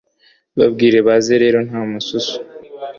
babwire baze rero nta mususu